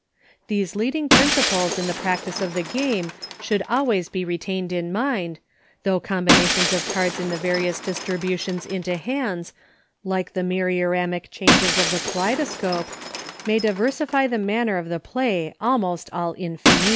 These leading principles in the practice of HINTS TO TYROS. 133 the game should always be retained in mind, though combinations of cards in the various distributions into hands — like the myrioramic changes of the Kaleidoscope — may diversify the manner of the play almost a V infini.